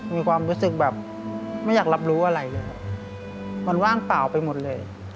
มีความรู้สึกแบบไม่อยากรับรู้อะไรเลยครับมันว่างเปล่าไปหมดเลย